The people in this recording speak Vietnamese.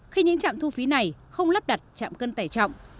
khi những trạm thu phí này không lắp đặt chạm cân tải trọng